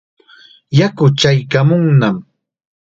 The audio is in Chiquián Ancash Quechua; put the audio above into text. Yaku chaykaamunnam.